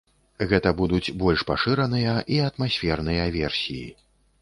Гэта будуць больш пашыраныя і атмасферныя версіі.